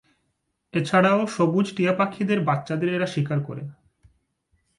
এছাড়াও সবুজ টিয়া পাখিদের বাচ্চাদের এরা শিকার করে।